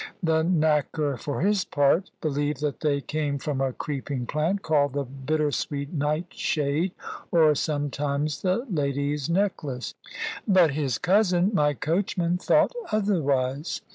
The knacker, for his part, believed that they came from a creeping plant called the "Bitter sweet nightshade," or sometimes the "Lady's necklace." But his cousin, my coachman, thought otherwise.